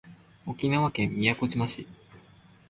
沖縄県宮古島市